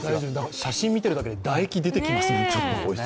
写真見ているだけで、唾液出てきますもん。